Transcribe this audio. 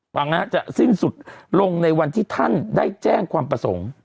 ฟังนะฮะจะสิ้นสุดลงในวันที่ท่านได้แจ้งความประสงค์